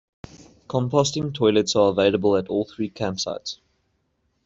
Composting toilets are available at all three camp sites.